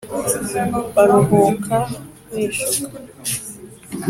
Baruhuka bishuka